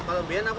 lemayah apa itu